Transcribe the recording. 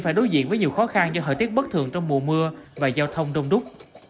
phải đối diện với nhiều khó khăn do hi tiết bất thường trong mùa mưa và giao thông đông đúc